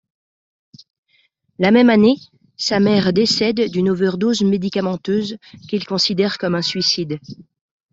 La même année, sa mère décède d’une overdose médicamenteuse qu’il considère comme un suicide.